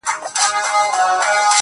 هغه به زما له سترگو.